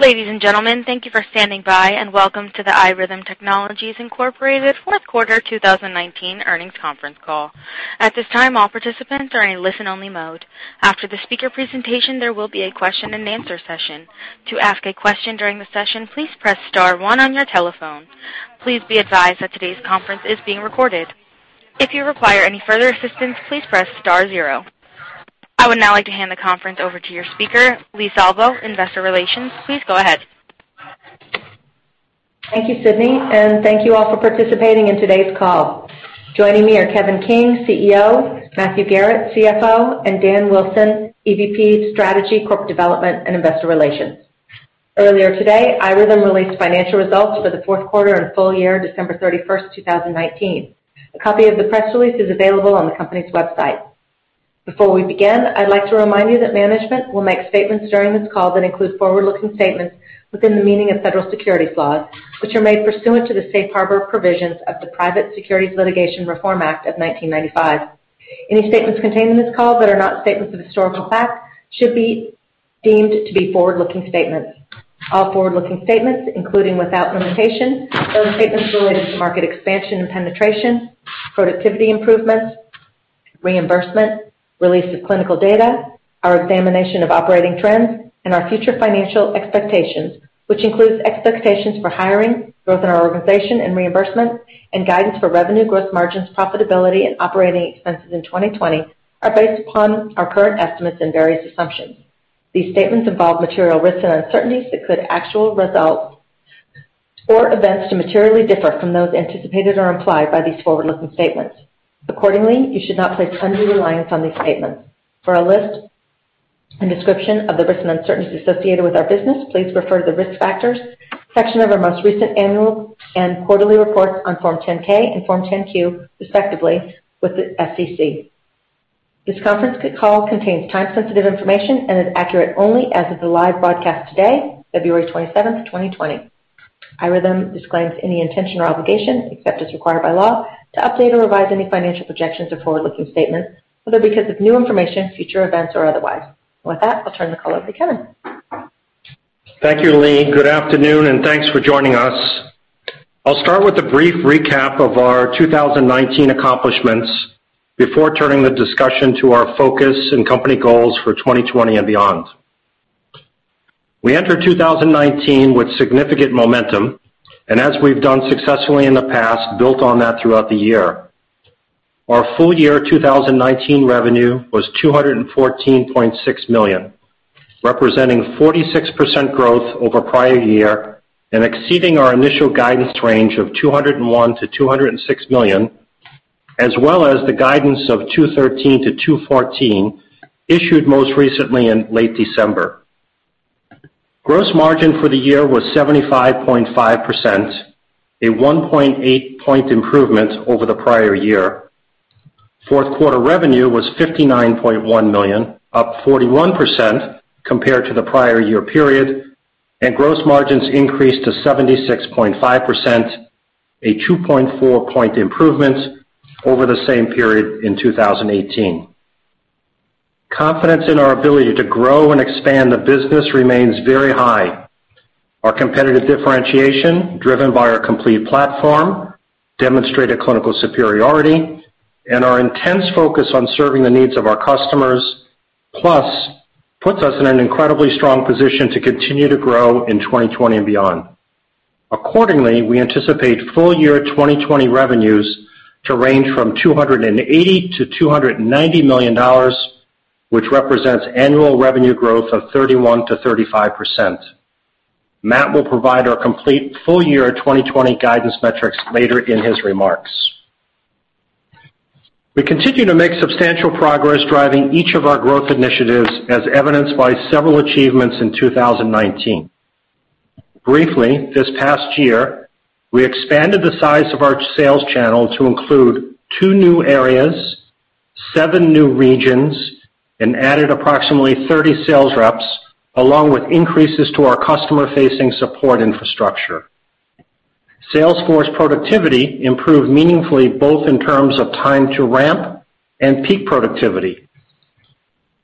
Ladies and gentlemen, thank you for standing by, and welcome to the iRhythm Technologies, Inc. fourth quarter 2019 earnings conference call. At this time, all participants are in listen-only mode. After the speaker presentation, there will be a question and answer session. To ask a question during the session, please press star one on your telephone. Please be advised that today's conference is being recorded. If you require any further assistance, please press star zero. I would now like to hand the conference over to your speaker, Leigh Salvo, investor relations. Please go ahead. Thank you, Sydney, and thank you all for participating in today's call. Joining me are Kevin King, CEO; Matthew Garrett, CFO; and Daniel Wilson, EVP, Strategy, Corporate Development, and Investor Relations. Earlier today, iRhythm released financial results for the fourth quarter and full year December 31st, 2019. A copy of the press release is available on the company's website. Before we begin, I'd like to remind you that management will make statements during this call that include forward-looking statements within the meaning of federal securities laws, which are made pursuant to the Safe Harbor provisions of the Private Securities Litigation Reform Act of 1995. Any statements contained in this call that are not statements of historical fact should be deemed to be forward-looking statements. All forward-looking statements, including without limitation, those statements related to market expansion and penetration, productivity improvements, reimbursement, release of clinical data, our examination of operating trends, and our future financial expectations. Which includes expectations for hiring, growth in our organization and reimbursement, and guidance for revenue growth margins, profitability and operating expenses in 2020, are based upon our current estimates and various assumptions. These statements involve material risks and uncertainties that could actual results or events to materially differ from those anticipated or implied by these forward-looking statements. Accordingly, you should not place undue reliance on these statements. For a list and description of the risks and uncertainties associated with our business, please refer to the Risk Factors section of our most recent annual and quarterly reports on Form 10-K and Form 10-Q, respectively, with the SEC. This conference call contains time-sensitive information and is accurate only as of the live broadcast today, February 27th, 2020. iRhythm disclaims any intention or obligation, except as required by law, to update or revise any financial projections or forward-looking statements, whether because of new information, future events, or otherwise. With that, I'll turn the call over to Kevin. Thank you, Leigh. Good afternoon, and thanks for joining us. I'll start with a brief recap of our 2019 accomplishments before turning the discussion to our focus and company goals for 2020 and beyond. We entered 2019 with significant momentum, and as we've done successfully in the past, built on that throughout the year. Our full year 2019 revenue was $214.6 million, representing 46% growth over prior year and exceeding our initial guidance range of $201 million-$206 million, as well as the guidance of $213 million-$214 million issued most recently in late December. Gross margin for the year was 75.5%, a 1.8-point improvement over the prior year. Fourth quarter revenue was $59.1 million, up 41% compared to the prior year period, and gross margins increased to 76.5%, a 2.4-point improvement over the same period in 2018. Confidence in our ability to grow and expand the business remains very high. Our competitive differentiation driven by our complete platform demonstrated clinical superiority and our intense focus on serving the needs of our customers plus puts us in an incredibly strong position to continue to grow in 2020 and beyond. Accordingly, we anticipate full year 2020 revenues to range from $280 million to $290 million, which represents annual revenue growth of 31% to 35%. Matt will provide our complete full year 2020 guidance metrics later in his remarks. We continue to make substantial progress driving each of our growth initiatives as evidenced by several achievements in 2019. Briefly, this past year, we expanded the size of our sales channel to include two new areas, seven new regions, and added approximately 30 sales reps along with increases to our customer-facing support infrastructure. Sales force productivity improved meaningfully both in terms of time to ramp and peak productivity.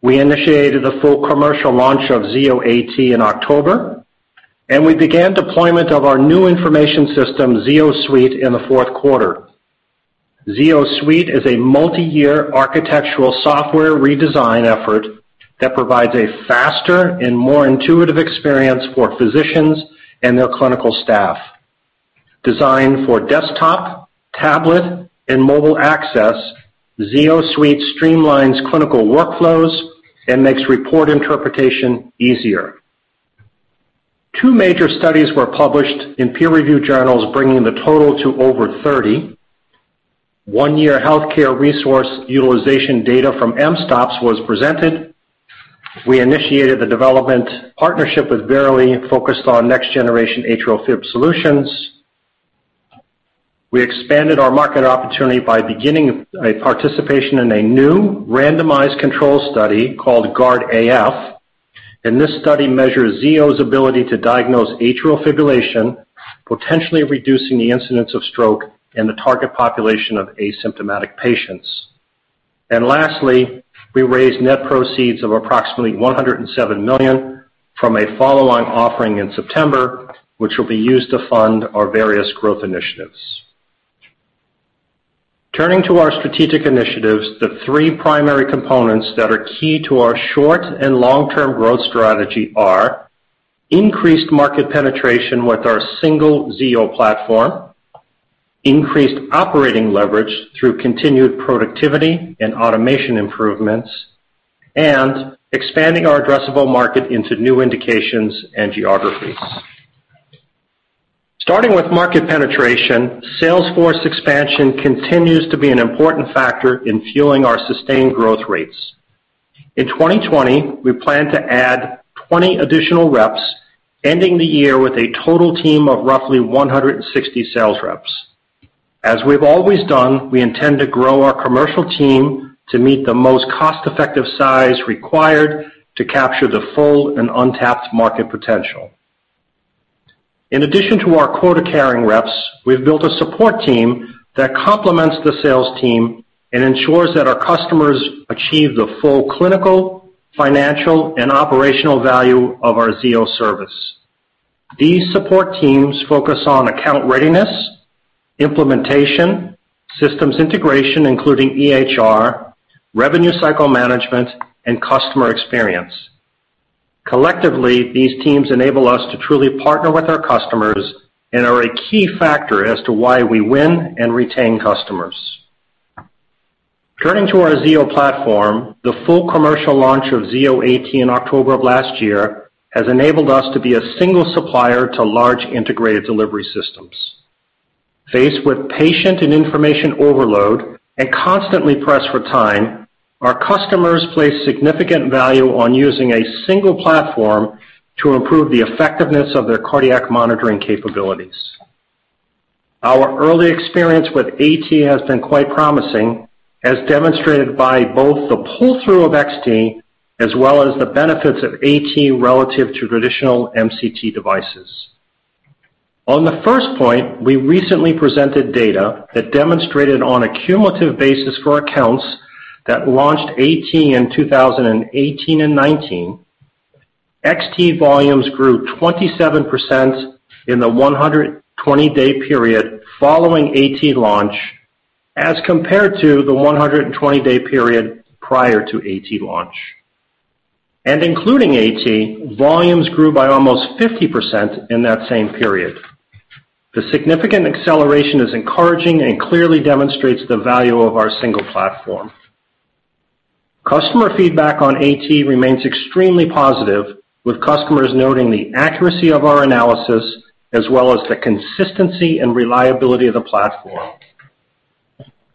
We initiated the full commercial launch of Zio AT in October. We began deployment of our new information system, ZioSuite, in the fourth quarter. ZioSuite is a multi-year architectural software redesign effort that provides a faster and more intuitive experience for physicians and their clinical staff. Designed for desktop, tablet, and mobile access, ZioSuite streamlines clinical workflows and makes report interpretation easier. Two major studies were published in peer-review journals bringing the total to over 30. One year healthcare resource utilization data from mSToPS was presented. We initiated the development partnership with Verily focused on next generation AFib solutions. We expanded our market opportunity by beginning a participation in a new randomized control study called GUARD-AF, and this study measures Zio's ability to diagnose atrial fibrillation, potentially reducing the incidence of stroke in the target population of asymptomatic patients. Lastly, we raised net proceeds of approximately $107 million from a follow-on offering in September, which will be used to fund our various growth initiatives. Turning to our strategic initiatives, the three primary components that are key to our short and long-term growth strategy are increased market penetration with our single Zio platform. Increased operating leverage through continued productivity and automation improvements, and expanding our addressable market into new indications and geographies. Starting with market penetration, sales force expansion continues to be an important factor in fueling our sustained growth rates. In 2020, we plan to add 20 additional reps, ending the year with a total team of roughly 160 sales reps. As we've always done, we intend to grow our commercial team to meet the most cost-effective size required to capture the full and untapped market potential. In addition to our quota-carrying reps, we've built a support team that complements the sales team and ensures that our customers achieve the full clinical, financial, and operational value of our Zio Service. These support teams focus on account readiness, implementation, systems integration, including EHR, revenue cycle management, and customer experience. Collectively, these teams enable us to truly partner with our customers and are a key factor as to why we win and retain customers. Turning to our Zio platform, the full commercial launch of Zio AT in October of last year has enabled us to be a single supplier to large integrated delivery systems. Faced with patient and information overload and constantly pressed for time, our customers place significant value on using a single platform to improve the effectiveness of their cardiac monitoring capabilities. Our early experience with AT has been quite promising, as demonstrated by both the pull-through of XT as well as the benefits of AT relative to traditional MCT devices. On the first point, we recently presented data that demonstrated on a cumulative basis for accounts that launched AT in 2018 and 2019, XT volumes grew 27% in the 120-day period following AT launch as compared to the 120-day period prior to AT launch. Including AT, volumes grew by almost 50% in that same period. The significant acceleration is encouraging and clearly demonstrates the value of our single platform. Customer feedback on AT remains extremely positive, with customers noting the accuracy of our analysis as well as the consistency and reliability of the platform.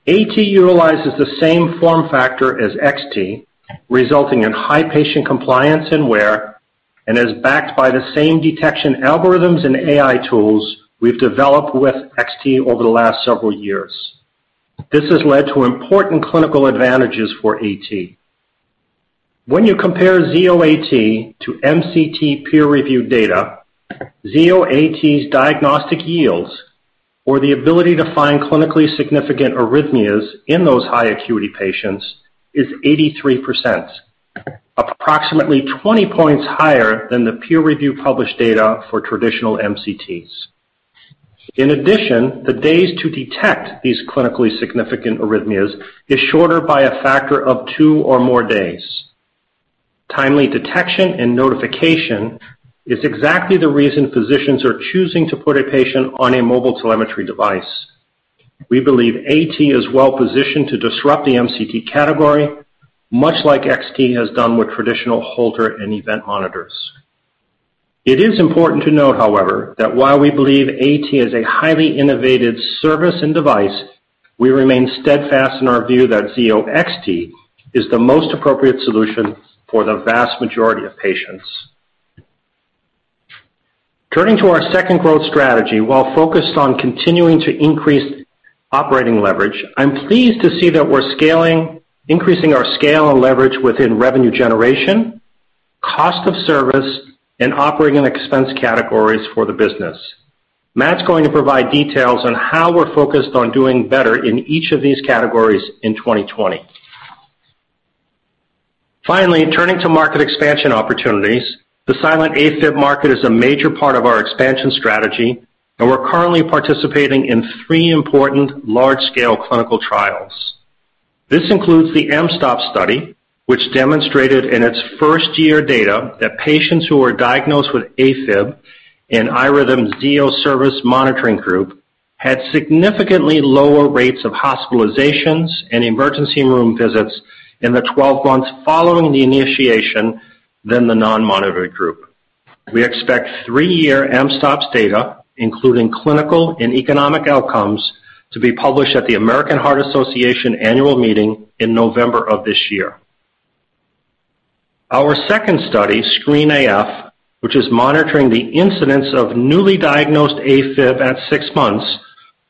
AT utilizes the same form factor as XT, resulting in high patient compliance and wear and is backed by the same detection algorithms and AI tools we've developed with XT over the last several years. This has led to important clinical advantages for AT. When you compare Zio AT to MCT peer-reviewed data, Zio AT's diagnostic yields or the ability to find clinically significant arrhythmias in those high acuity patients is 83%, approximately 20 points higher than the peer review published data for traditional MCTs. In addition, the days to detect these clinically significant arrhythmias is shorter by a factor of two or more days. Timely detection and notification is exactly the reason physicians are choosing to put a patient on a mobile telemetry device. We believe AT is well-positioned to disrupt the MCT category, much like XT has done with traditional Holter and event monitors. It is important to note, however, that while we believe AT is a highly innovative service and device, we remain steadfast in our view that Zio XT is the most appropriate solution for the vast majority of patients. Turning to our second growth strategy, while focused on continuing to increase operating leverage, I'm pleased to see that we're increasing our scale and leverage within revenue generation, cost of service, and operating expense categories for the business. Matt's going to provide details on how we're focused on doing better in each of these categories in 2020. Finally, turning to market expansion opportunities, the silent AFib market is a major part of our expansion strategy, and we're currently participating in three important large-scale clinical trials. This includes the mSToPS study, which demonstrated in its first-year data that patients who were diagnosed with AFib in iRhythm's Zio Service monitoring group had significantly lower rates of hospitalizations and emergency room visits in the 12 months following the initiation than the non-monitored group. We expect three-year mSToPS data, including clinical and economic outcomes, to be published at the American Heart Association annual meeting in November of this year. Our second study, SCREEN-AF, which is monitoring the incidence of newly diagnosed AFib at six months,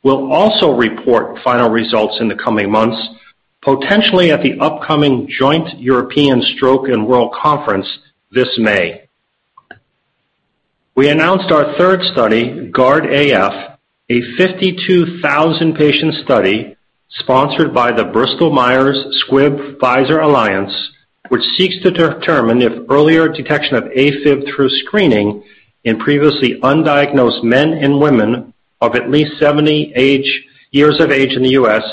will also report final results in the coming months, potentially at the upcoming Joint European Stroke and World Conference this May. We announced our third study, GUARD-AF, a 52,000-patient study sponsored by the Bristol Myers Squibb-Pfizer Alliance, which seeks to determine if earlier detection of AFib through screening in previously undiagnosed men and women of at least 70 years of age in the U.S.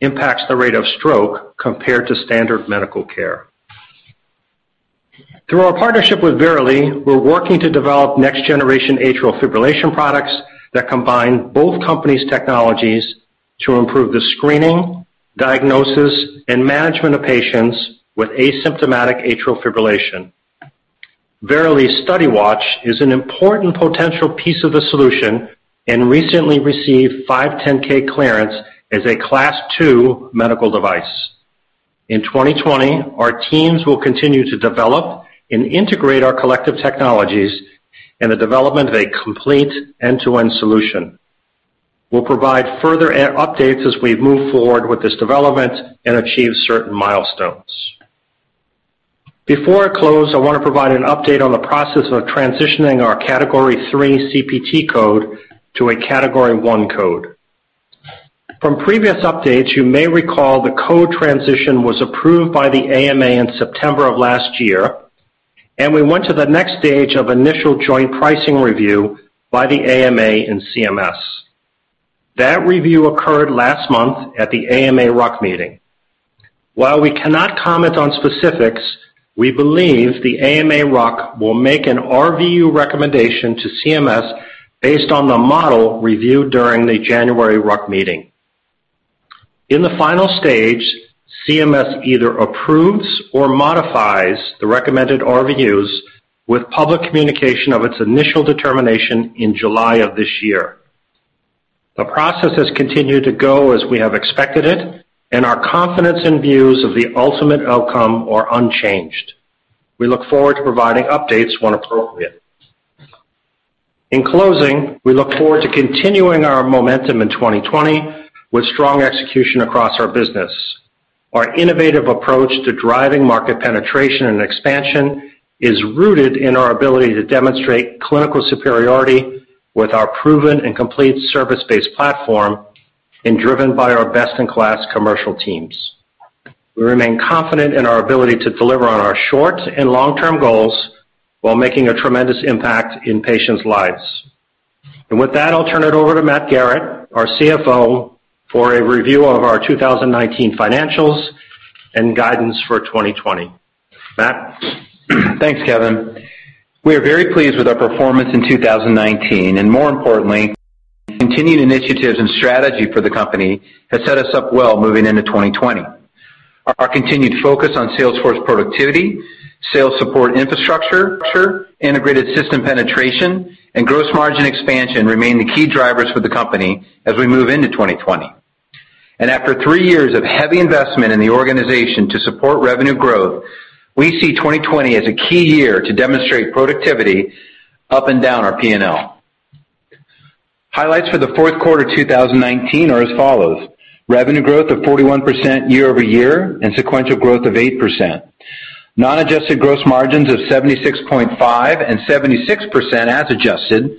impacts the rate of stroke compared to standard medical care. Through our partnership with Verily, we're working to develop next-generation atrial fibrillation products that combine both companies' technologies to improve the screening, diagnosis, and management of patients with asymptomatic atrial fibrillation. Verily Study Watch is an important potential piece of the solution and recently received 510-k clearance as a Class II medical device. In 2020, our teams will continue to develop and integrate our collective technologies in the development of a complete end-to-end solution. We'll provide further updates as we move forward with this development and achieve certain milestones. Before I close, I want to provide an update on the process of transitioning our Category III CPT code to a Category I code. From previous updates, you may recall the code transition was approved by the AMA in September of last year. We went to the next stage of initial joint pricing review by the AMA and CMS. That review occurred last month at the AMA RUC meeting. While we cannot comment on specifics, we believe the AMA RUC will make an RVU recommendation to CMS based on the model reviewed during the January RUC meeting. In the final stage, CMS either approves or modifies the recommended RVUs with public communication of its initial determination in July of this year. The process has continued to go as we have expected it, and our confidence in views of the ultimate outcome are unchanged. We look forward to providing updates when appropriate. In closing, we look forward to continuing our momentum in 2020 with strong execution across our business. Our innovative approach to driving market penetration and expansion is rooted in our ability to demonstrate clinical superiority with our proven and complete service-based platform and driven by our best-in-class commercial teams. We remain confident in our ability to deliver on our short- and long-term goals while making a tremendous impact in patients' lives. With that, I'll turn it over to Matt Garrett, our CFO, for a review of our 2019 financials and guidance for 2020. Matt? Thanks, Kevin. We are very pleased with our performance in 2019. More importantly, continued initiatives and strategy for the company has set us up well moving into 2020. Our continued focus on sales force productivity, sales support infrastructure, integrated system penetration, and gross margin expansion remain the key drivers for the company as we move into 2020. After three years of heavy investment in the organization to support revenue growth, we see 2020 as a key year to demonstrate productivity up and down our P&L. Highlights for the fourth quarter 2019 are as follows. Revenue growth of 41% year-over-year and sequential growth of 8%. Non-adjusted gross margins of 76.5% and 76% as adjusted,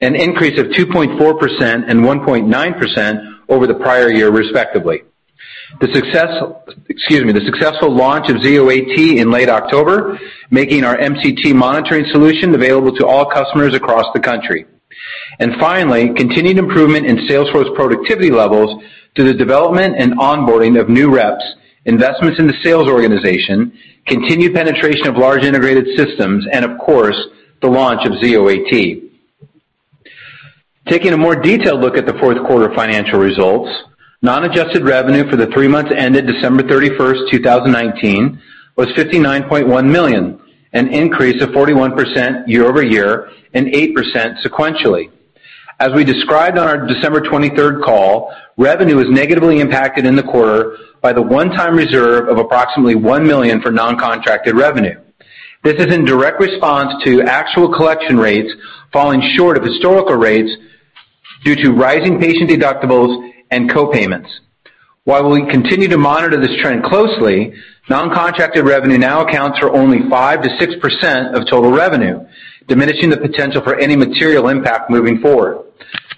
an increase of 2.4% and 1.9% over the prior year, respectively. The success. The successful launch of Zio AT in late October, making our MCT monitoring solution available to all customers across the country. Finally, continued improvement in sales force productivity levels through the development and onboarding of new reps, investments in the sales organization, continued penetration of large integrated systems, and of course, the launch of Zio AT. Taking a more detailed look at the fourth quarter financial results, non-adjusted revenue for the three months ended December 31st, 2019 was $59.1 million, an increase of 41% year-over-year and 8% sequentially. As we described on our December 23rd call, revenue was negatively impacted in the quarter by the one-time reserve of approximately $1 million for non-contracted revenue. This is in direct response to actual collection rates falling short of historical rates due to rising patient deductibles and co-payments. While we continue to monitor this trend closely, non-contracted revenue now accounts for only 5%-6% of total revenue, diminishing the potential for any material impact moving forward.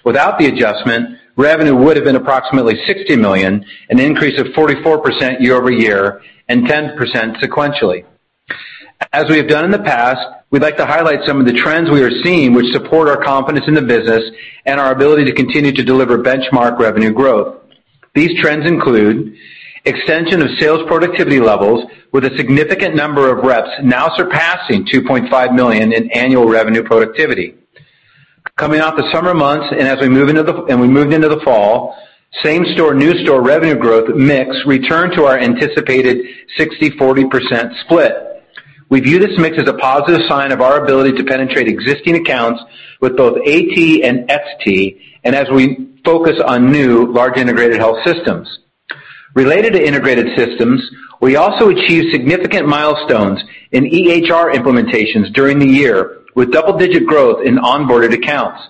Without the adjustment, revenue would have been approximately $60 million, an increase of 44% year-over-year and 10% sequentially. As we have done in the past, we'd like to highlight some of the trends we are seeing which support our confidence in the business and our ability to continue to deliver benchmark revenue growth. These trends include extension of sales productivity levels with a significant number of reps now surpassing $2.5 million in annual revenue productivity. Coming off the summer months and as we moved into the fall, same-store/new-store revenue growth mix returned to our anticipated 60%/40% split. We view this mix as a positive sign of our ability to penetrate existing accounts with both AT and XT and as we focus on new large integrated health systems. Related to integrated systems, we also achieved significant milestones in EHR implementations during the year with double-digit growth in onboarded accounts.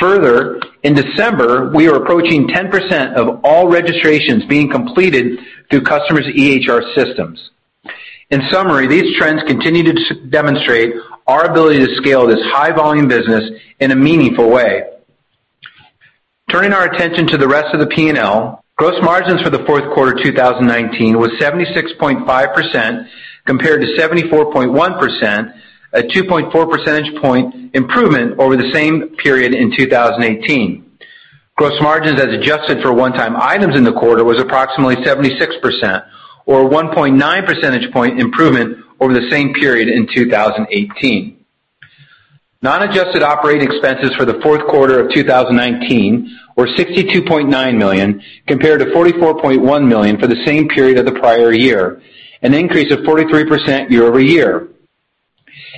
Further, in December, we are approaching 10% of all registrations being completed through customers' EHR systems. In summary, these trends continue to demonstrate our ability to scale this high-volume business in a meaningful way. Turning our attention to the rest of the P&L, gross margins for the fourth quarter 2019 was 76.5% compared to 74.1%, a 2.4 percentage point improvement over the same period in 2018. Gross margins as adjusted for one-time items in the quarter was approximately 76%, or a 1.9 percentage point improvement over the same period in 2018. Non-adjusted operating expenses for the fourth quarter of 2019 were $62.9 million, compared to $44.1 million for the same period of the prior year, an increase of 43% year-over-year.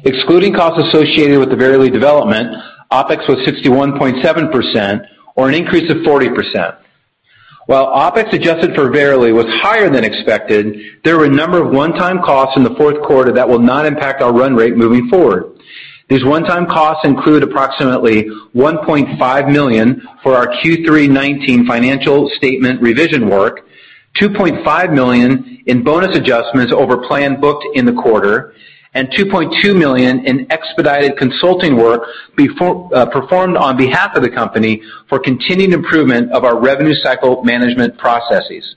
Excluding costs associated with the Verily development, OpEx was 61.7%, or an increase of 40%. While OpEx adjusted for Verily was higher than expected, there were a number of one-time costs in the fourth quarter that will not impact our run rate moving forward. These one-time costs include approximately $1.5 million for our Q3 2019 financial statement revision work, $2.5 million in bonus adjustments over planned booked in the quarter, and $2.2 million in expedited consulting work performed on behalf of the company for continued improvement of our revenue cycle management processes.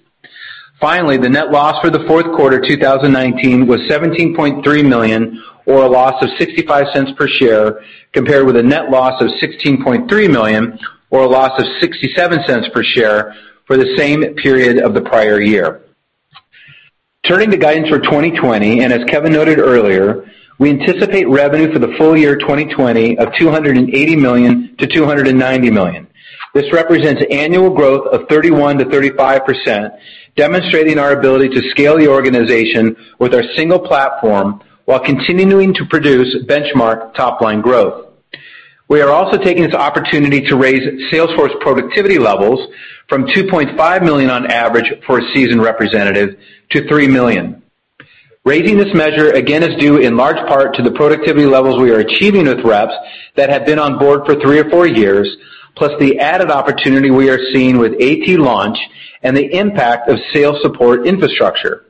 Finally, the net loss for the fourth quarter 2019 was $17.3 million, or a loss of $0.65 per share, compared with a net loss of $16.3 million, or a loss of $0.67 per share for the same period of the prior year. Turning to guidance for 2020, and as Kevin noted earlier, we anticipate revenue for the full year 2020 of $280 million-$290 million. This represents annual growth of 31%-35%, demonstrating our ability to scale the organization with our single platform while continuing to produce benchmark top-line growth. We are also taking this opportunity to raise sales force productivity levels from $2.5 million on average for a seasoned representative to $3 million. Raising this measure again is due in large part to the productivity levels we are achieving with reps that have been on board for three or four years, plus the added opportunity we are seeing with AT launch and the impact of sales support infrastructure.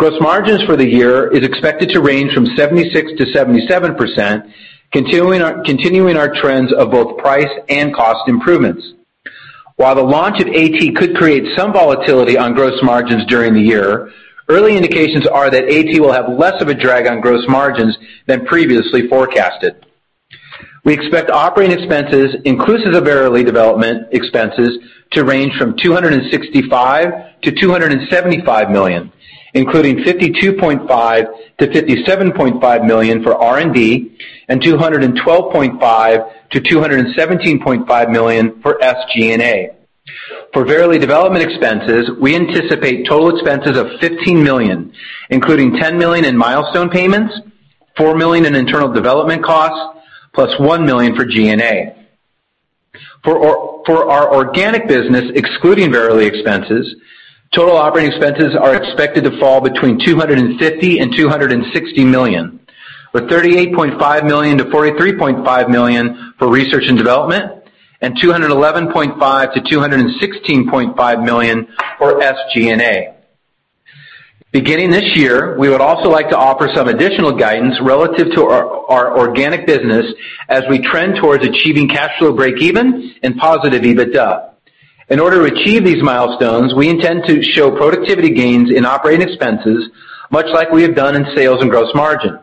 Gross margins for the year is expected to range from 76%-77%, continuing our trends of both price and cost improvements. While the launch of AT could create some volatility on gross margins during the year, early indications are that AT will have less of a drag on gross margins than previously forecasted. We expect operating expenses inclusive of Verily development expenses to range from $265 million-$275 million, including $52.5 million-$57.5 million for R&D and $212.5 million-$217.5 million for SG&A. For Verily development expenses, we anticipate total expenses of $15 million, including $10 million in milestone payments, $4 million in internal development costs, plus $1 million for G&A. For our organic business, excluding Verily expenses, total operating expenses are expected to fall between $250 million and $260 million, with $38.5 million-$43.5 million for research and development and $211.5 million-$216.5 million for SG&A. Beginning this year, we would also like to offer some additional guidance relative to our organic business as we trend towards achieving cash flow breakeven and positive EBITDA. In order to achieve these milestones, we intend to show productivity gains in operating expenses, much like we have done in sales and gross margin.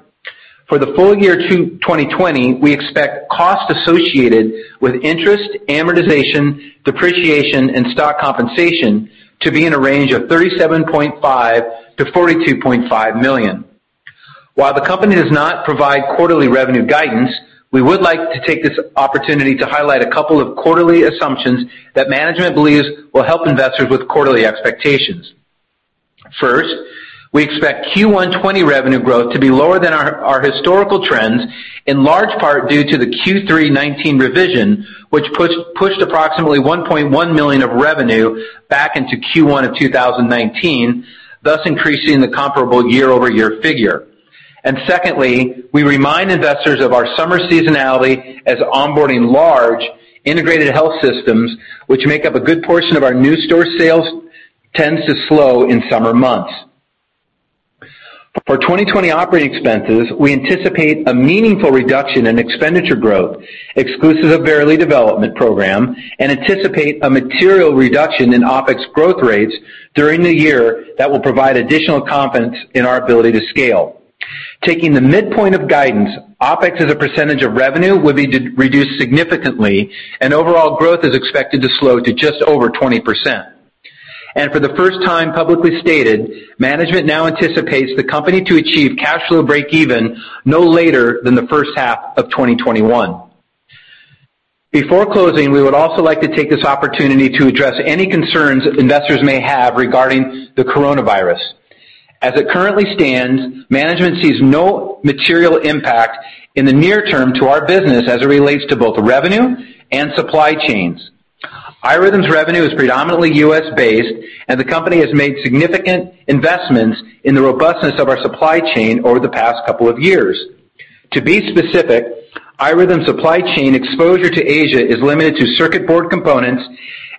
For the full year 2020, we expect costs associated with interest, amortization, depreciation, and stock compensation to be in a range of $37.5 million-$42.5 million. While the company does not provide quarterly revenue guidance, we would like to take this opportunity to highlight a couple of quarterly assumptions that management believes will help investors with quarterly expectations. First, we expect Q1 2020 revenue growth to be lower than our historical trends, in large part due to the Q3 2019 revision, which pushed approximately $1.1 million of revenue back into Q1 of 2019, thus increasing the comparable year-over-year figure. Secondly, we remind investors of our summer seasonality as onboarding large integrated health systems, which make up a good portion of our new store sales, tends to slow in summer months. For 2020 operating expenses, we anticipate a meaningful reduction in expenditure growth exclusive of Verily development program, and anticipate a material reduction in OpEx growth rates during the year that will provide additional confidence in our ability to scale. Taking the midpoint of guidance, OpEx as a percentage of revenue will be reduced significantly, and overall growth is expected to slow to just over 20%. For the first time publicly stated, management now anticipates the company to achieve cash flow breakeven no later than the first half of 2021. Before closing, we would also like to take this opportunity to address any concerns investors may have regarding the Coronavirus. As it currently stands, management sees no material impact in the near term to our business as it relates to both revenue and supply chains. iRhythm's revenue is predominantly U.S.-based, and the company has made significant investments in the robustness of our supply chain over the past couple of years. To be specific, iRhythm supply chain exposure to Asia is limited to circuit board components,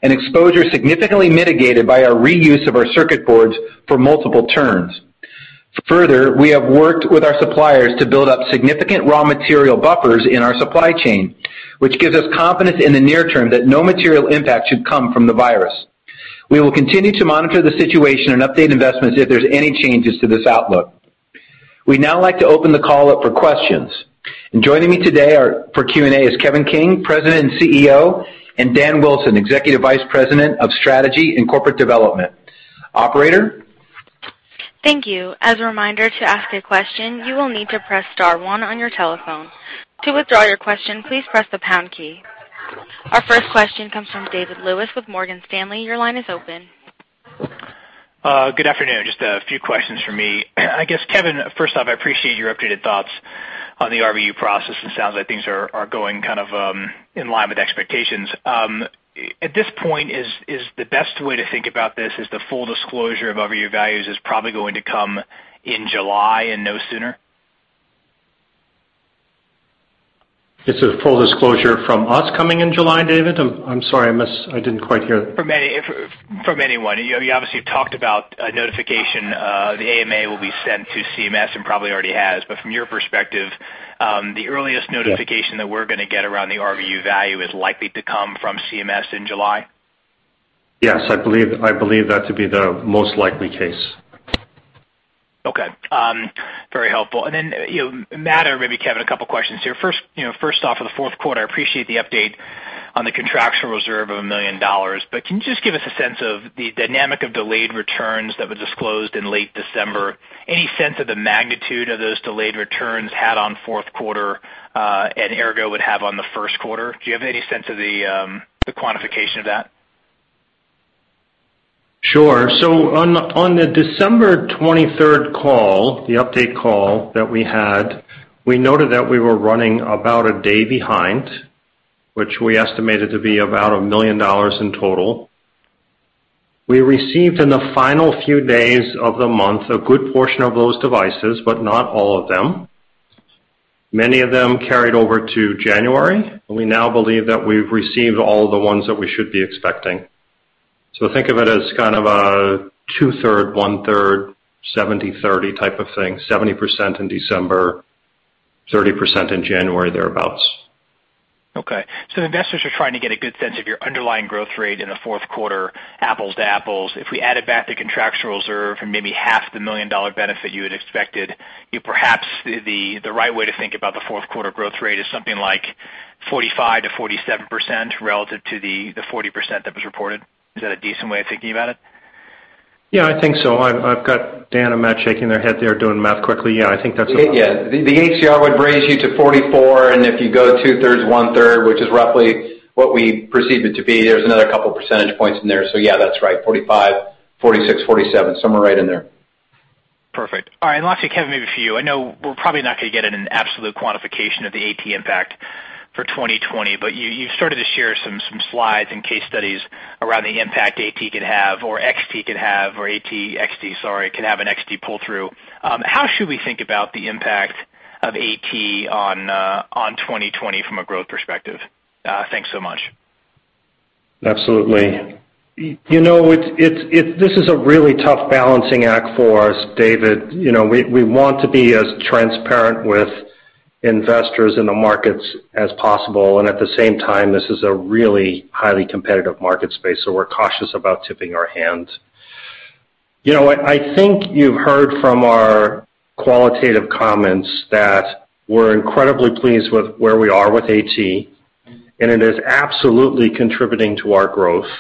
and exposure significantly mitigated by our reuse of our circuit boards for multiple turns. Further, we have worked with our suppliers to build up significant raw material buffers in our supply chain, which gives us confidence in the near term that no material impact should come from the virus. We will continue to monitor the situation and update investments if there's any changes to this outlook. We'd now like to open the call up for questions. Joining me today for Q&A is Kevin King, President and CEO, and Dan Wilson, Executive Vice President of Strategy and Corporate Development. Operator? Thank you. As a reminder, to ask a question, you will need to press star one on your telephone. To withdraw your question, please press the pound key. Our first question comes from David Lewis with Morgan Stanley. Your line is open. Good afternoon. Just a few questions from me. I guess, Kevin, first off, I appreciate your updated thoughts on the RVU process. It sounds like things are going in line with expectations. At this point, is the best way to think about this is the full disclosure of RVU values is probably going to come in July and no sooner? It's a full disclosure from us coming in July, David? I'm sorry, I didn't quite hear. From anyone. You obviously have talked about a notification, the AMA will be sent to CMS and probably already has. From your perspective, the earliest notification that we're going to get around the RVU value is likely to come from CMS in July? Yes, I believe that to be the most likely case. Very helpful. Matt or maybe Kevin, a couple questions here. First off, for the fourth quarter, I appreciate the update on the contractual reserve of $1 million, but can you just give us a sense of the dynamic of delayed returns that was disclosed in late December? Any sense of the magnitude of those delayed returns had on fourth quarter, and ergo would have on the first quarter? Do you have any sense of the quantification of that? On the December 23rd call, the update call that we had, we noted that we were running about a day behind, which we estimated to be about $1 million in total. We received in the final few days of the month a good portion of those devices, but not all of them. Many of them carried over to January, and we now believe that we've received all the ones that we should be expecting. Think of it as kind of a 2/3, 1/3, 70-30 type of thing, 70% in December, 30% in January, thereabouts. Investors are trying to get a good sense of your underlying growth rate in the fourth quarter, apples to apples. If we added back the contractual reserve and maybe half the million-dollar benefit you had expected, perhaps the right way to think about the fourth quarter growth rate is something like 45%-47% relative to the 40% that was reported. Is that a decent way of thinking about it? I think so. I've got Dan and Matt shaking their head there doing the math quickly. Yeah, I think that's about- The ACR would raise you to 44, and if you go 2/3, 1/3, which is roughly what we perceive it to be, there's another couple percentage points in there. Yeah, that's right. 45%, 46%, 47%, somewhere right in there. All right. Lastly, Kevin, maybe for you. I know we're probably not going to get an absolute quantification of the AT impact for 2020, but you started to share some slides and case studies around the impact AT could have or XT could have, or AT, XT, sorry, could have an XT pull-through. How should we think about the impact of AT on 2020 from a growth perspective? Thanks so much. This is a really tough balancing act for us, David. We want to be as transparent with investors in the markets as possible, and at the same time, this is a really highly competitive market space, so we're cautious about tipping our hands. I think you've heard from our qualitative comments that we're incredibly pleased with where we are with AT, and it is absolutely contributing to our growth.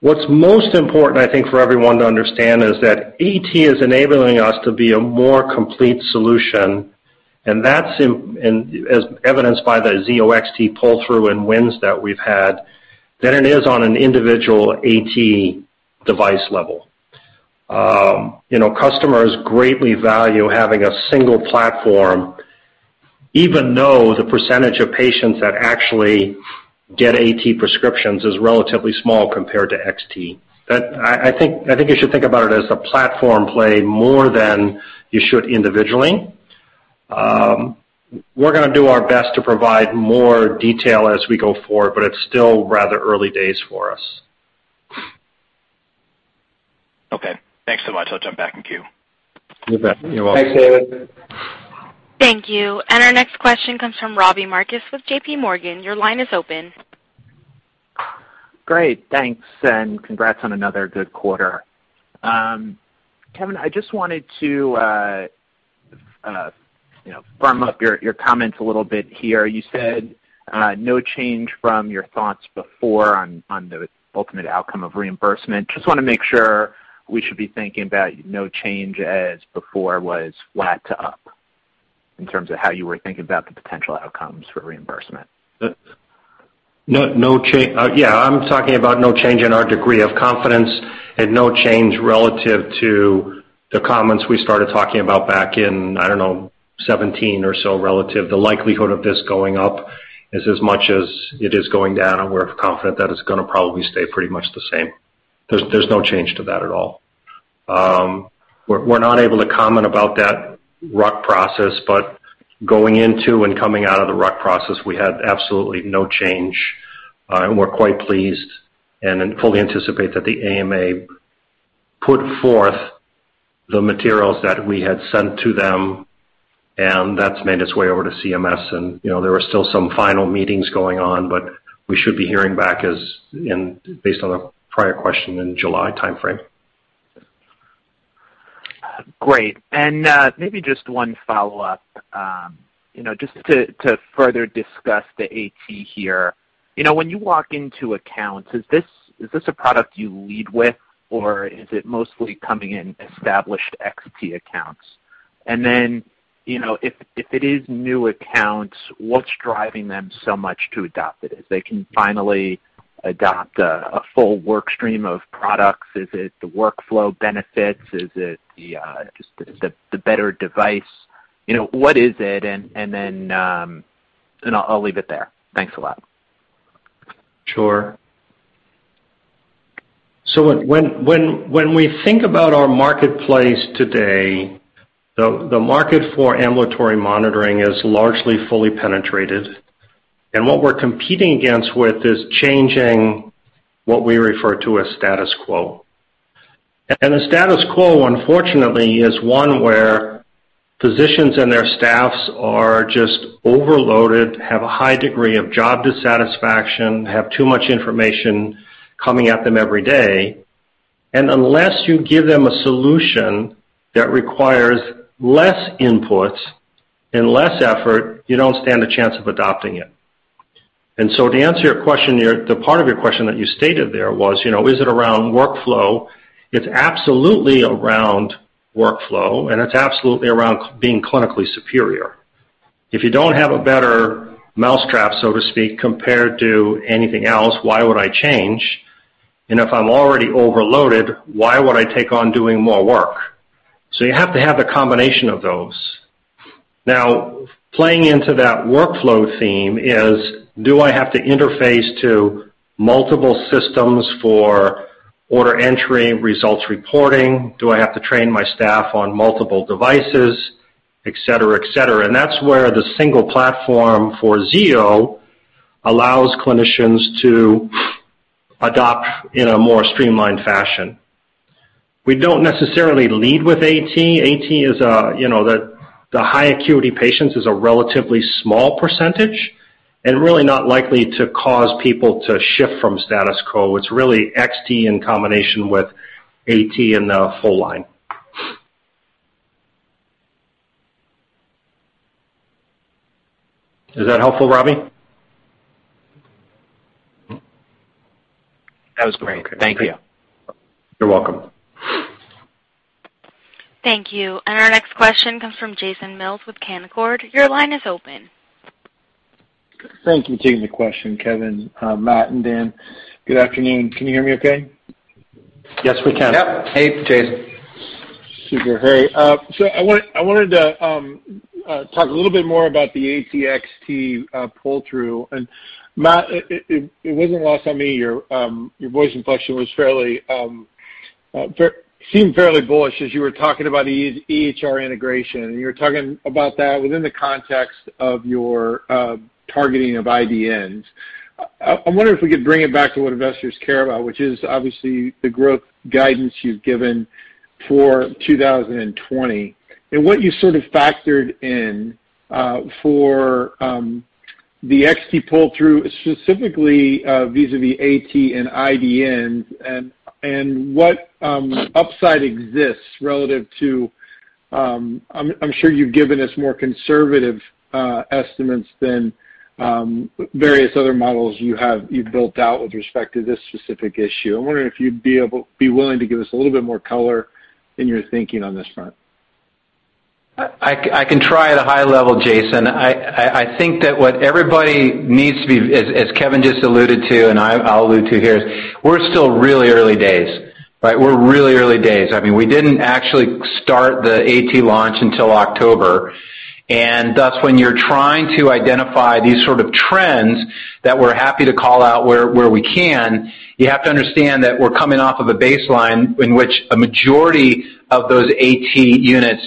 What's most important, I think, for everyone to understand is that AT is enabling us to be a more complete solution, and that's evidenced by the Zio XT pull-through and wins that we've had than it is on an individual AT device level. Customers greatly value having a single platform, even though the percentage of patients that actually get AT prescriptions is relatively small compared to XT. I think you should think about it as a platform play more than you should individually. We're going to do our best to provide more detail as we go forward, but it's still rather early days for us. Thanks so much. I'll jump back in queue. You bet. You're welcome. Thank you. Our next question comes from Robbie Marcus with JP Morgan. Your line is open. Thanks, and congrats on another good quarter. Kevin, I just wanted to firm up your comments a little bit here. You said no change from your thoughts before on the ultimate outcome of reimbursement? Just want to make sure we should be thinking about no change as before was flat to up in terms of how you were thinking about the potential outcomes for reimbursement? I'm talking about no change in our degree of confidence and no change relative to the comments we started talking about back in, I don't know, 2017 or so relative. The likelihood of this going up is as much as it is going down, and we're confident that it's going to probably stay pretty much the same. There's no change to that at all. We're not able to comment about that RUC process, but going into and coming out of the RUC process, we had absolutely no change. We're quite pleased and fully anticipate that the AMA put forth the materials that we had sent to them, and that's made its way over to CMS and there are still some final meetings going on, but we should be hearing back as in, based on the prior question, in July timeframe. Maybe just one follow-up, just to further discuss the AT here. When you walk into accounts, is this a product you lead with or is it mostly coming in established XT accounts? If it is new accounts, what's driving them so much to adopt it? If they can finally adopt a full work stream of products, is it the workflow benefits? Is it the better device? What is it? I'll leave it there. Thanks a lot. When we think about our marketplace today, the market for ambulatory monitoring is largely fully penetrated, and what we're competing against with is changing what we refer to as status quo. The status quo, unfortunately, is one where physicians and their staffs are just overloaded, have a high degree of job dissatisfaction, have too much information coming at them every day. Unless you give them a solution that requires less input and less effort, you don't stand a chance of adopting it. To answer your question, the part of your question that you stated there was, is it around workflow? It's absolutely around workflow, and it's absolutely around being clinically superior. If you don't have a better mousetrap, so to speak, compared to anything else, why would I change? If I'm already overloaded, why would I take on doing more work? You have to have a combination of those. Now, playing into that workflow theme is, do I have to interface to multiple systems for order entry, results reporting? Do I have to train my staff on multiple devices? Et cetera. That's where the single platform for Zio allows clinicians to adopt in a more streamlined fashion. We don't necessarily lead with AT. AT is the high acuity patients is a relatively small percentage and really not likely to cause people to shift from status quo. It's really XT in combination with AT in the full line. Is that helpful, Robbie? That was great. Thank you. You're welcome. Thank you. Our next question comes from Jason Mills with Canaccord. Your line is open. Thank you. Thanks for taking the question, Kevin, Matt, and Dan. Good afternoon. Can you hear me okay? Yes, we can. Yep. Hey, Jason. I wanted to talk a little bit more about the AT, XT pull-through. Matt, it wasn't lost on me, your voice inflection seemed fairly bullish as you were talking about EHR integration, and you were talking about that within the context of your targeting of IDNs. I wonder if we could bring it back to what investors care about, which is obviously the growth guidance you've given for 2020. What you sort of factored in for the XT pull-through, specifically vis-à-vis AT and IDNs, and what upside exists relative to. I'm sure you've given us more conservative estimates than various other models you've built out with respect to this specific issue. I'm wondering if you'd be willing to give us a little bit more color in your thinking on this front? I can try at a high level, Jason. I think that what everybody needs to be, as Kevin just alluded to and I'll allude to here, is we're still really early days. We're really early days. I mean, we didn't actually start the AT launch until October. Thus, when you're trying to identify these sort of trends that we're happy to call out where we can, you have to understand that we're coming off of a baseline in which a majority of those AT units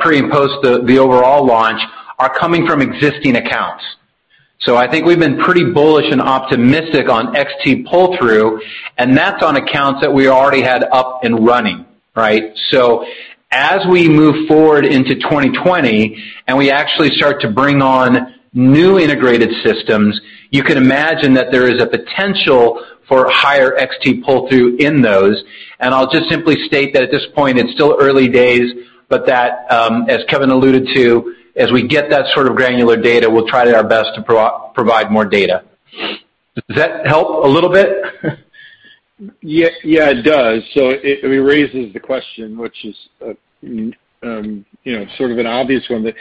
pre and post the overall launch are coming from existing accounts. I think we've been pretty bullish and optimistic on XT pull-through, and that's on accounts that we already had up and running. As we move forward into 2020 and we actually start to bring on new integrated systems, you can imagine that there is a potential for higher XT pull-through in those. I'll just simply state that at this point, it's still early days, but that, as Kevin alluded to, as we get that sort of granular data, we'll try our best to provide more data. Does that help a little bit? It does. It raises the question, which is sort of an obvious one, but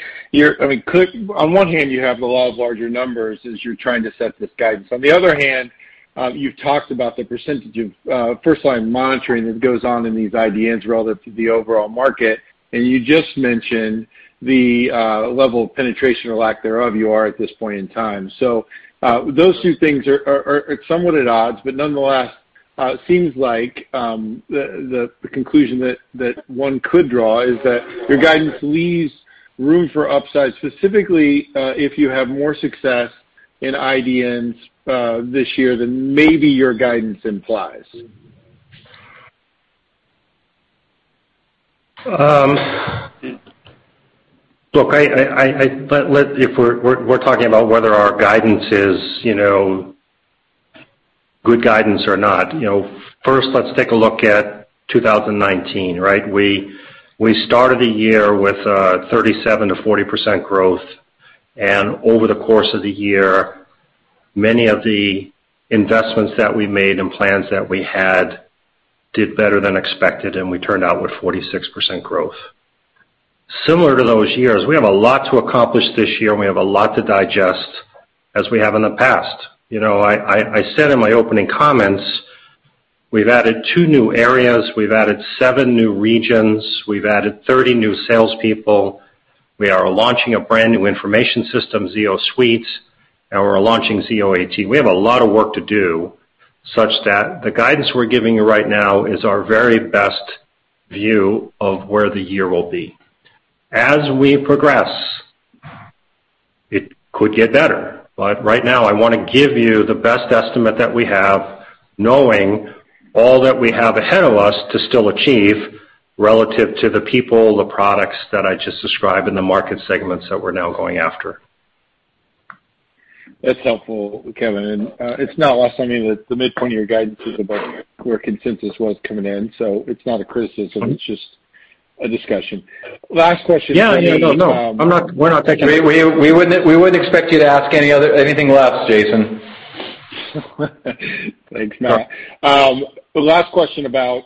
on one hand, you have the law of larger numbers as you're trying to set this guidance. On the other hand, you've talked about the percentage of first-line monitoring that goes on in these IDNs relative to the overall market, and you just mentioned the level of penetration or lack thereof you are at this point in time. Those two things are somewhat at odds, but nonetheless it seems like the conclusion that one could draw is that your guidance leaves room for upsides, specifically if you have more success in IDNs this year than maybe your guidance implies? Look, if we're talking about whether our guidance is good guidance or not, first, let's take a look at 2019. We started the year with 37% to 40% growth, and over the course of the year, many of the investments that we made and plans that we had did better than expected, and we turned out with 46% growth. Similar to those years, we have a lot to accomplish this year, and we have a lot to digest as we have in the past. I said in my opening comments, we've added two new areas, we've added seven new regions, we've added 30 new salespeople. We are launching a brand-new information system, Zio Suite, and we're launching Zio AT. We have a lot of work to do such that the guidance we're giving you right now is our very best view of where the year will be. As we progress, it could get better. Right now, I want to give you the best estimate that we have, knowing all that we have ahead of us to still achieve relative to the people, the products that I just described, and the market segments that we're now going after. That's helpful, Kevin. It's not lost on me that the mid-point of your guidance is about where consensus was coming in, so it's not a criticism, it's just a discussion. Last question for me- No, we're not taking- We wouldn't expect you to ask anything else, Jason. Thanks, Matt. Last question about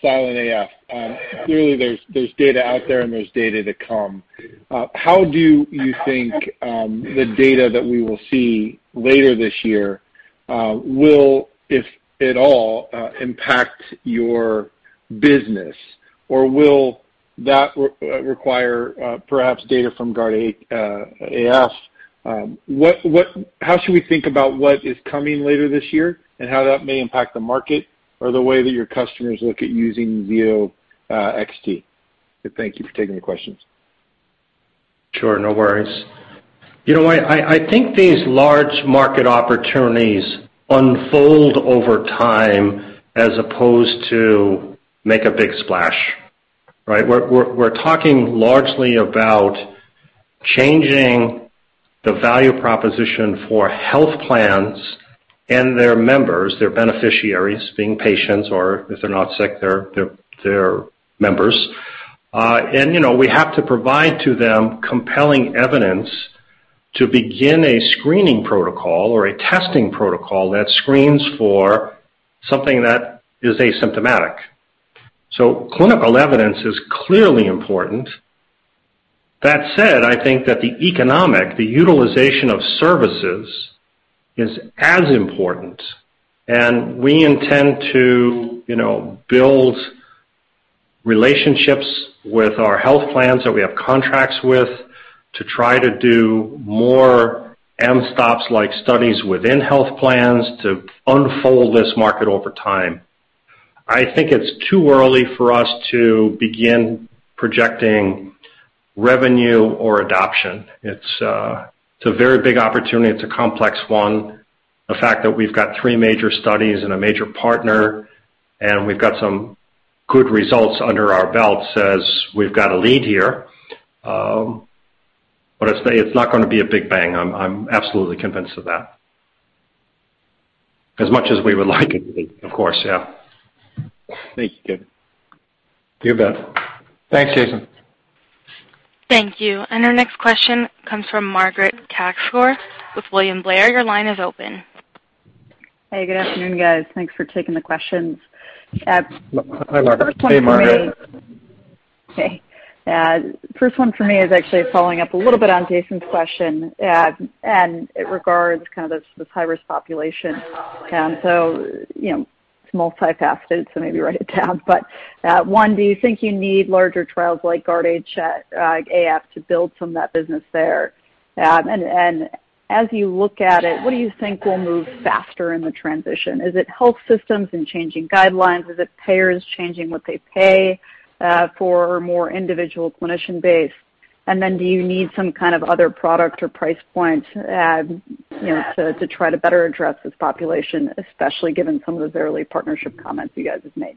silent AF. Clearly, there's data out there, and there's data to come. How do you think the data that we will see later this year will, if at all, impact your business? will that require perhaps data from GUARD-AF? How should we think about what is coming later this year, and how that may impact the market or the way that your customers look at using ZIO XT? Thank you for taking the questions. No worries. I think these large market opportunities unfold over time as opposed to make a big splash. We're talking largely about changing the value proposition for health plans and their members, their beneficiaries being patients, or if they're not sick, their members. We have to provide to them compelling evidence to begin a screening protocol or a testing protocol that screens for something that is asymptomatic. Clinical evidence is clearly important. That said, I think that the economic, the utilization of services, is as important, and we intend to build relationships with our health plans that we have contracts with to try to do more mSToPS-like studies within health plans to unfold this market over time. I think it's too early for us to begin projecting revenue or adoption. It's a very big opportunity. It's a complex one. The fact that we've got three major studies and a major partner, and we've got some good results under our belt says we've got a lead here. It's not going to be a big bang. I'm absolutely convinced of that. As much as we would like it to be, of course. Thank you. You bet. Thanks, Jason. Thank you. Our next question comes from Margaret Kaczor with William Blair. Your line is open. Hey, good afternoon, guys. Thanks for taking the questions. Hi, Margaret. Hey, Margaret. First one for me is actually following up a little bit on Jason's question, and it regards this high-risk population. It's multifaceted, so maybe write it down, but, one, do you think you need larger trials like GUARD-AF to build some of that business there? As you look at it, what do you think will move faster in the transition? Is it health systems and changing guidelines? Is it payers changing what they pay for more individual clinician base? Do you need some kind of other product or price point to try to better address this population, especially given some of the Verily partnership comments you guys have made?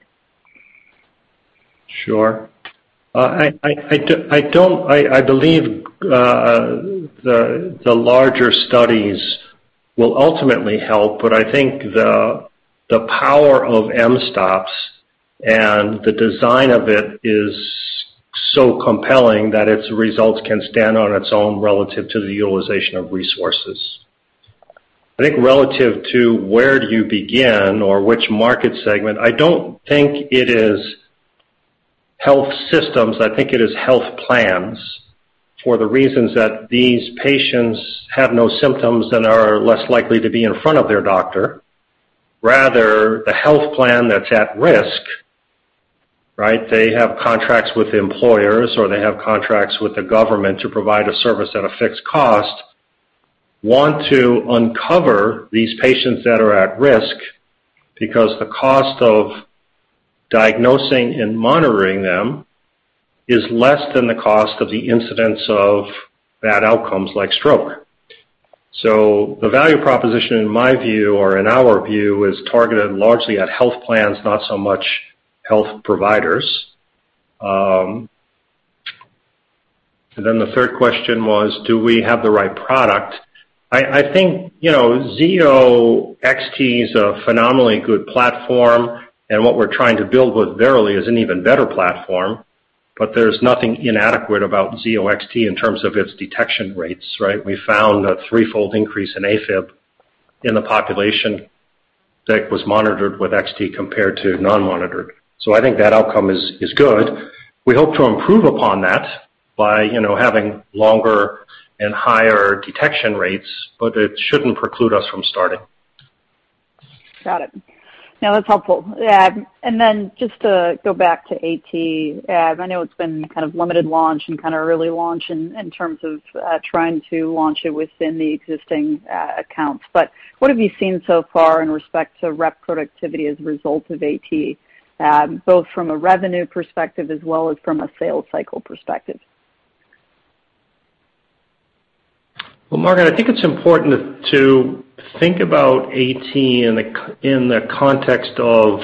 I believe the larger studies will ultimately help, but I think the power of mSToPS and the design of it is so compelling that its results can stand on its own relative to the utilization of resources. I think relative to where do you begin or which market segment, I don't think it is health systems, I think it is health plans for the reasons that these patients have no symptoms and are less likely to be in front of their doctor. Rather, the health plan that's at risk. They have contracts with employers, or they have contracts with the government to provide a service at a fixed cost, want to uncover these patients that are at risk because the cost of diagnosing and monitoring them is less than the cost of the incidents of bad outcomes like stroke. The value proposition, in my view, or in our view, is targeted largely at health plans, not so much health providers. The third question was, do we have the right product? I think Zio XT is a phenomenally good platform, and what we're trying to build with Verily is an even better platform, but there's nothing inadequate about Zio XT in terms of its detection rates. We found a threefold increase in AFib in the population that was monitored with XT compared to non-monitored. I think that outcome is good. We hope to improve upon that by having longer and higher detection rates, but it shouldn't preclude us from starting. Got it. No, that's helpful. Just to go back to AT, I know it's been kind of limited launch and kind of early launch in terms of trying to launch it within the existing accounts. What have you seen so far in respect to rep productivity as a result of AT, both from a revenue perspective as well as from a sales cycle perspective? Well, Margaret, I think it's important to think about AT in the context of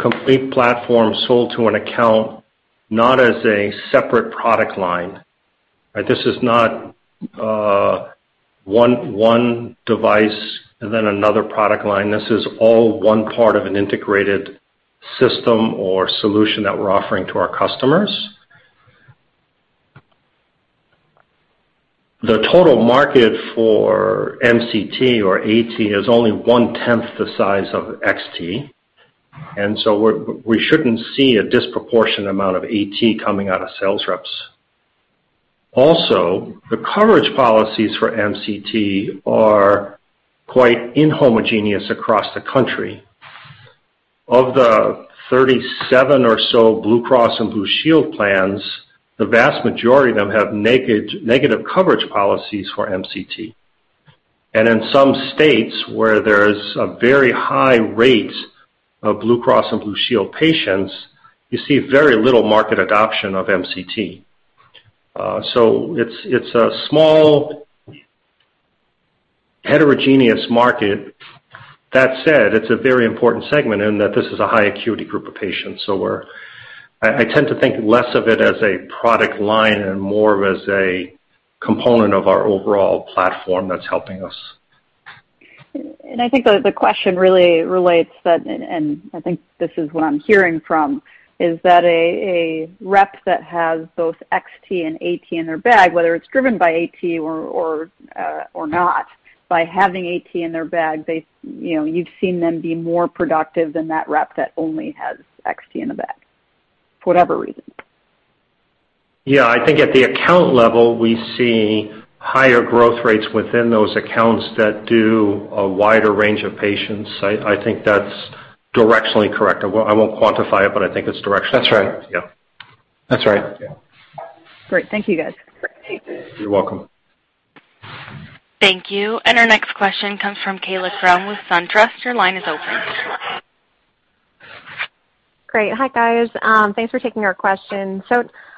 complete platform sold to an account, not as a separate product line. This is not one device and then another product line. This is all one part of an integrated system or solution that we're offering to our customers. The total market for MCT or AT is only one-tenth the size of XT, and so we shouldn't see a disproportionate amount of AT coming out of sales reps. Also, the coverage policies for MCT are quite inhomogeneous across the country. Of the 37 or so Blue Cross and Blue Shield plans, the vast majority of them have negative coverage policies for MCT. In some states where there's a very high rate of Blue Cross and Blue Shield patients, you see very little market adoption of MCT. It's a small, heterogeneous market. That said, it's a very important segment in that this is a high acuity group of patients. I tend to think less of it as a product line and more as a component of our overall platform that's helping us. I think the question really relates that, and I think this is what I'm hearing from, is that a rep that has both XT and AT in their bag, whether it's driven by AT or not, by having AT in their bag, you've seen them be more productive than that rep that only has XT in the bag, for whatever reason. I think at the account level, we see higher growth rates within those accounts that do a wider range of patients. I think that's directionally correct. I won't quantify it, but I think it's directionally correct. That's right. Yeah. That's right. Great. Thank you, guys. You're welcome. Thank you. Our next question comes from Kaila Krum with SunTrust. Your line is open. Hi, guys. Thanks for taking our question.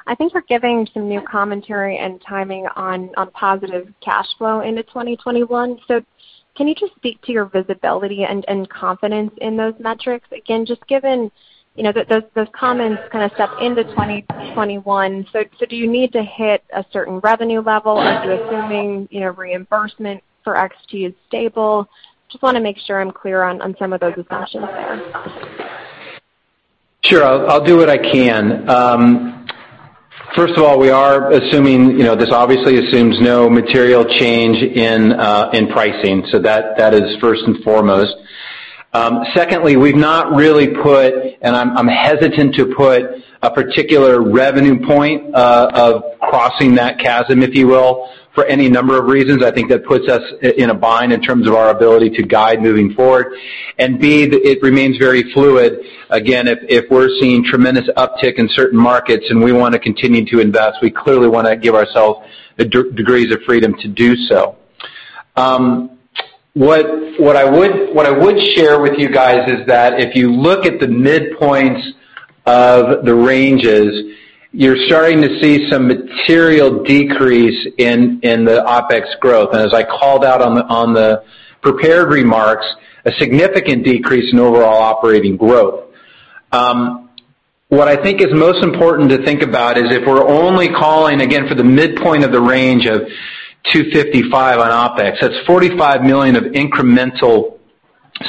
I think you're giving some new commentary and timing on positive cash flow into 2021. Can you just speak to your visibility and confidence in those metrics? Again, just given those comments kind of step into 2021. Do you need to hit a certain revenue level? Are you assuming reimbursement for XT is stable? Just want to make sure I'm clear on some of those assumptions there. I'll do what I can. First of all, we are assuming this obviously assumes no material change in pricing. That is first and foremost. Secondly, we've not really put, and I'm hesitant to put a particular revenue point of crossing that chasm, if you will, for any number of reasons. I think that puts us in a bind in terms of our ability to guide moving forward. B, it remains very fluid. Again, if we're seeing tremendous uptick in certain markets and we want to continue to invest, we clearly want to give ourselves degrees of freedom to do so. What I would share with you guys is that if you look at the midpoints of the ranges, you're starting to see some material decrease in the OpEx growth. As I called out on the prepared remarks, a significant decrease in overall operating growth. What I think is most important to think about is if we're only calling, again, for the midpoint of the range of 255 on OpEx, that's $45 million of incremental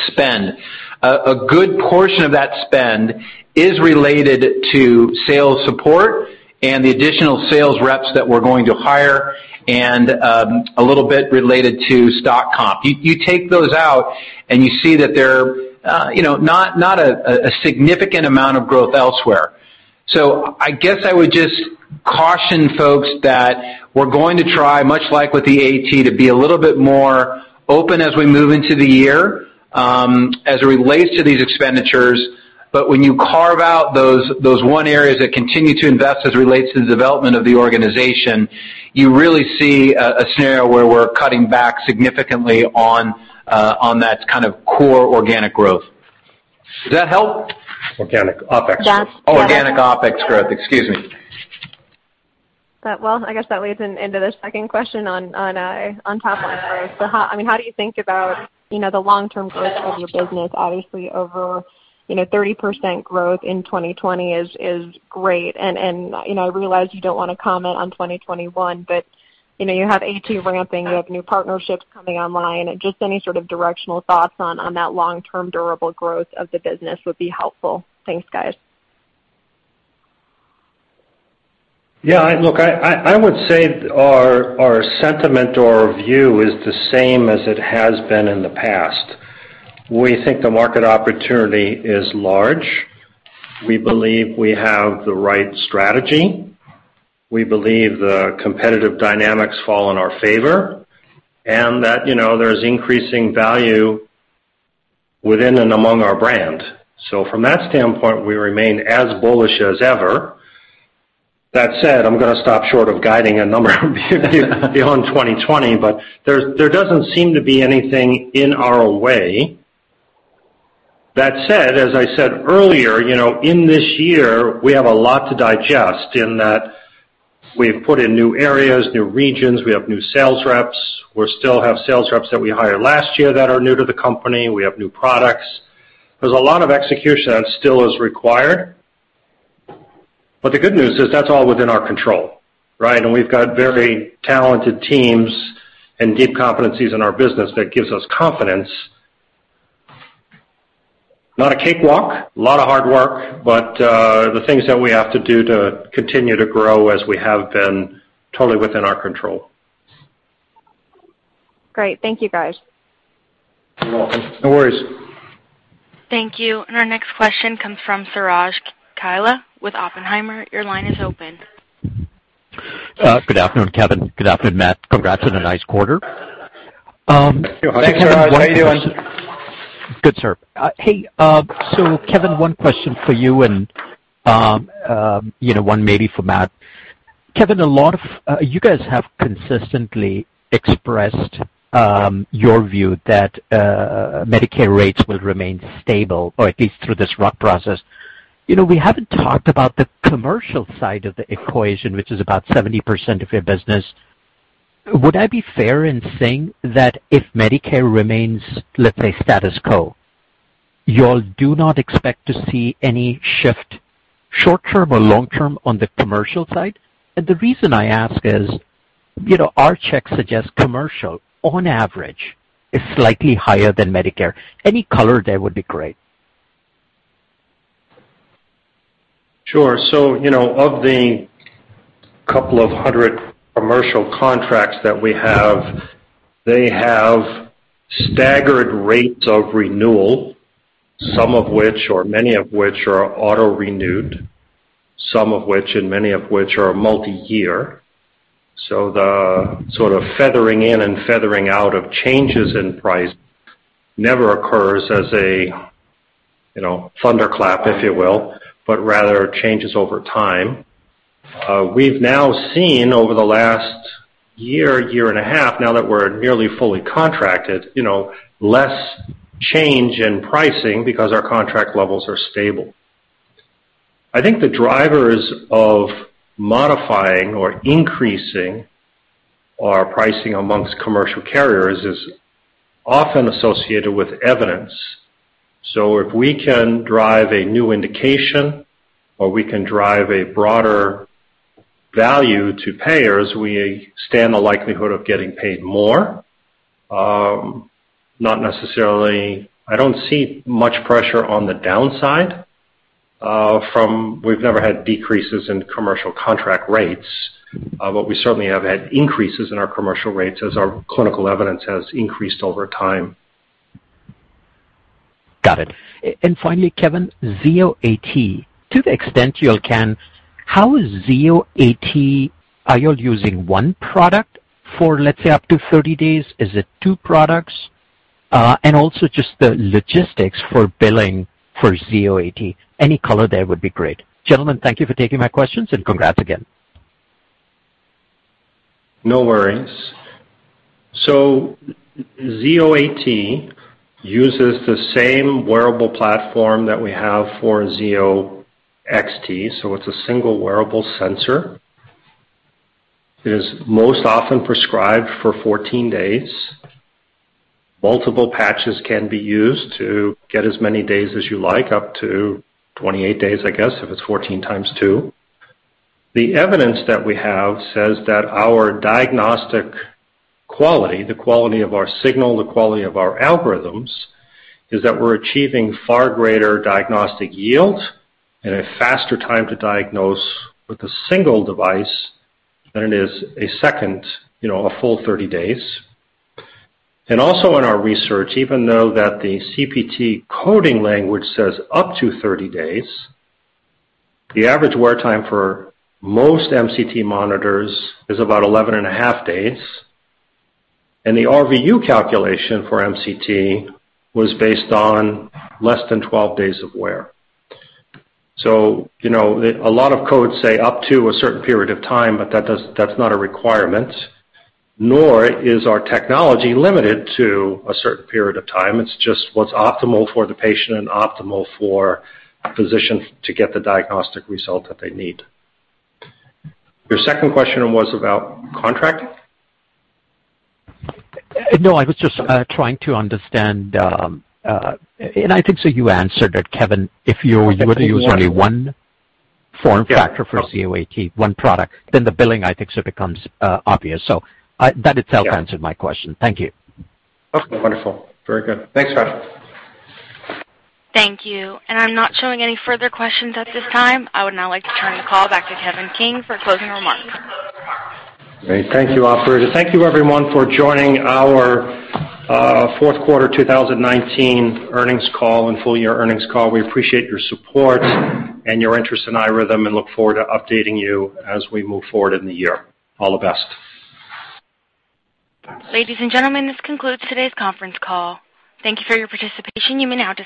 spend. A good portion of that spend is related to sales support and the additional sales reps that we're going to hire and a little bit related to stock comp. You take those out and you see that there not a significant amount of growth elsewhere. I guess I would just caution folks that we're going to try, much like with the AT, to be a little bit more open as we move into the year, as it relates to these expenditures. When you carve out those one areas that continue to invest as it relates to the development of the organization, you really see a scenario where we're cutting back significantly on that kind of core organic growth. Does that help? Organic OpEx. Organic OpEx growth. Excuse me. Well, I guess that leads into the second question on top line growth. How do you think about the long-term growth of your business? Obviously, over 30% growth in 2020 is great, and I realize you don't want to comment on 2021, but you have AT ramping, you have new partnerships coming online? Just any sort of directional thoughts on that long-term durable growth of the business would be helpful. Thanks, guys. Look, I would say our sentiment or view is the same as it has been in the past. We think the market opportunity is large. We believe we have the right strategy. We believe the competitive dynamics fall in our favor, and that there's increasing value within and among our brand. From that standpoint, we remain as bullish as ever. That said, I'm going to stop short of guiding a number beyond 2020, but there doesn't seem to be anything in our way. That said, as I said earlier, in this year, we have a lot to digest in that we've put in new areas, new regions, we have new sales reps. We still have sales reps that we hired last year that are new to the company. We have new products. There's a lot of execution that still is required. The good news is that's all within our control. We've got very talented teams and deep competencies in our business that gives us confidence. Not a cakewalk, a lot of hard work, but the things that we have to do to continue to grow as we have been, totally within our control. Thank you, guys. No worries. Thank you. Our next question comes from Suraj Kalia with Oppenheimer. Your line is open. Good afternoon, Kevin. Good afternoon, Matt. Congrats on a nice quarter. Thanks, Suraj. How are you doing? Good, sir. Hey, so Kevin, one question for you and one maybe for Matt. Kevin, you guys have consistently expressed your view that Medicare rates will remain stable, or at least through this RUC process. We haven't talked about the commercial side of the equation, which is about 70% of your business. Would I be fair in saying that if Medicare remains, let's say, status quo, you all do not expect to see any shift, short-term or long-term, on the commercial side? The reason I ask is, our checks suggest commercial, on average, is slightly higher than Medicare. Any color there would be great. Of the couple of 100 commercial contracts that we have, they have staggered rates of renewal, some of which, or many of which are auto-renewed, some of which, and many of which are multi-year. The sort of feathering in and feathering out of changes in price never occurs as a thunderclap, if you will, but rather changes over time. We've now seen over the last year and a half, now that we're nearly fully contracted, less change in pricing because our contract levels are stable. I think the drivers of modifying or increasing our pricing amongst commercial carriers is often associated with evidence. If we can drive a new indication or we can drive a broader value to payers, we stand the likelihood of getting paid more. I don't see much pressure on the downside. We've never had decreases in commercial contract rates, but we certainly have had increases in our commercial rates as our clinical evidence has increased over time. Finally, Kevin, Zio AT. To the extent you all can, how is Zio AT, are you all using one product for, let's say, up to 30 days? Is it two products? Also just the logistics for billing for Zio AT. Any color there would be great. Gentlemen, thank you for taking my questions, and congrats again. No worries. Zio AT uses the same wearable platform that we have for Zio XT, so it's a single wearable sensor. It is most often prescribed for 14 days. Multiple patches can be used to get as many days as you like, up to 28 days, I guess, if it's 14x2. The evidence that we have says that our diagnostic quality, the quality of our signal, the quality of our algorithms, is that we're achieving far greater diagnostic yield and a faster time to diagnose with a single device than it is a second, a full 30 days. Also in our research, even though that the CPT coding language says up to 30 days, the average wear time for most MCT monitors is about 11 and a half days, and the RVU calculation for MCT was based on less than 12 days of wear. A lot of codes say up to a certain period of time, but that's not a requirement, nor is our technology limited to a certain period of time. It's just what's optimal for the patient and optimal for a physician to get the diagnostic result that they need. Your second question was about contract? No, I was just trying to understand, and I think so you answered it, Kevin, if you were to use only one form factor for Zio AT, one product, then the billing, I think becomes obvious. That itself answered my question. Thank you. Okay, wonderful. Very good. Thanks, Suraj. Thank you. I'm not showing any further questions at this time. I would now like to turn the call back to Kevin King for closing remarks. Thank you, operator. Thank you everyone for joining our fourth quarter 2019 earnings call and full-year earnings call. We appreciate your support and your interest in iRhythm, and look forward to updating you as we move forward in the year. All the best. Ladies and gentlemen, this concludes today's conference call. Thank you for your participation. You may now disconnect.